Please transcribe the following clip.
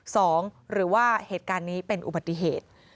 หรือว่าเหตุการณ์นี้เป็นอุบัติเหตุ